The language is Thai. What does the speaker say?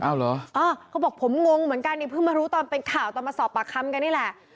เหรออ่าเขาบอกผมงงเหมือนกันนี่เพิ่งมารู้ตอนเป็นข่าวตอนมาสอบปากคำกันนี่แหละ